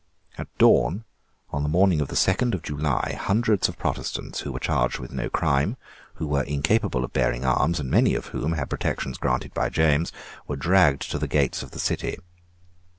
At dawn, on the morning of the second of July, hundreds of Protestants, who were charged with no crime, who were incapable of bearing arms, and many of whom had protections granted by James, were dragged to the gates of the city.